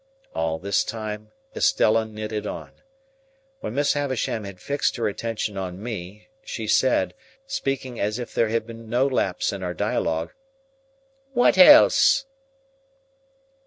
All this time Estella knitted on. When Miss Havisham had fixed her attention on me, she said, speaking as if there had been no lapse in our dialogue,— "What else?"